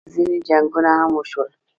ځینې جنګونه هم وشول